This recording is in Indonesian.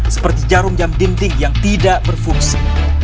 seperti jarum jam dimting yang tidak berfungsi